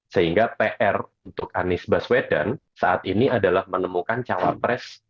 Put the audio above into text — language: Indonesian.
sehingga pr untuk anies baswedan saat ini adalah menemukan cawapres